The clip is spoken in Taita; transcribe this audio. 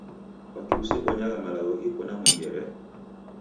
Kwaki usebonyagha malagho ghiko na mwengere?